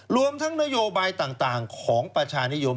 รวมทั้งนโยบายต่างของประชานิยม